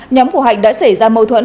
nhóm của hạnh đã xảy ra mâu thuẫn